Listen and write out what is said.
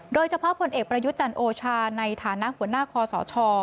โดยเฉพาะผลเอกประยุทธ์จันทร์โอชาในฐานะหัวหน้าคอสช